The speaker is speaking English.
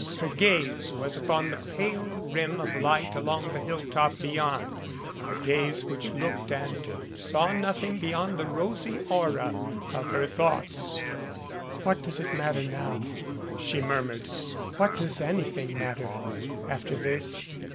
Her gaze was upon the pale rim of light along the hill top beyond, a gaze which looked and saw nothing beyond the rosy aura of her thoughts. "What does it matter now?" she murmured. "What Idoes anything matter after this?"